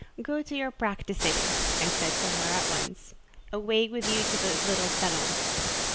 "Go to your practising," said I to her at once: "away with you to the little salon!"